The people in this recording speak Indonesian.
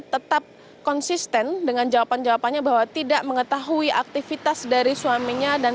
tetap konsisten dengan jawaban jawabannya bahwa tidak mengetahui aktivitas dari suaminya dan